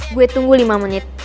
gue tunggu lima menit